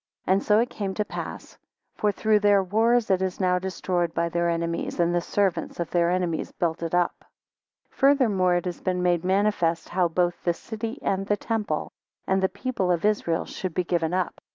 And so it came to pass; for through their wars it is now destroyed by their enemies; and the servants of their enemies build it up. 15 Furthermore it has been made manifest, how both the city and the temple, and the people of Israel should be given up.